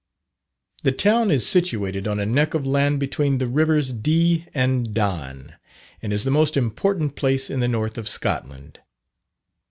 The town is situated on a neck of land between the rivers Dee and Don, and is the most important place in the north of Scotland.